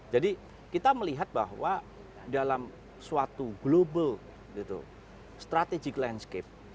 jadi kita melihat bahwa dalam suatu global strategic landscape